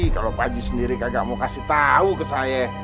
kalau panji sendiri kagak mau kasih tahu ke saya